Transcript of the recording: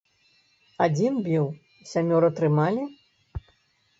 Адзін біў, сямёра трымалі?